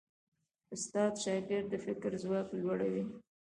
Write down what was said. استاد د شاګرد د فکر ځواک لوړوي.